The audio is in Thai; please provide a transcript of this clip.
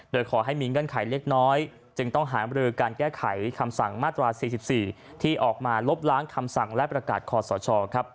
โดยขอให้มีเงื่อนไขเล็กน้อยจึงต้องหามรือการแก้ไขคำสั่งมาตรา๔๔ที่ออกมาลบล้างคำสั่งและประกาศคอสช